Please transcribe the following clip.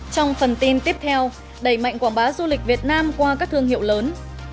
trong phần tin tiếp theo đẩy mạnh quảng bá du lịch việt nam qua các thương hiệu lớn